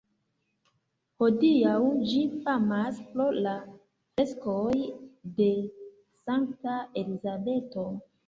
Hodiaŭ ĝi famas pro la freskoj de Sankta Elizabeto.